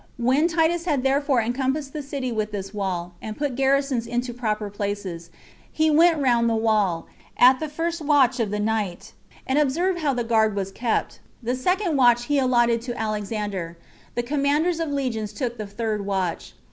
When Titus had therefore encompassed the city with this wall, and put garrisons into proper places, he went round the wall, at the first watch of the night, and observed how the guard was kept; the second watch he allotted to Alexander; the commanders of legions took the third watch.